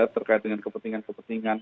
terkait dengan kepentingan kepentingan